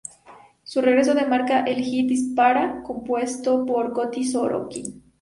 Su regreso lo marca el hit "Dispara", compuesto por Coti Sorokin.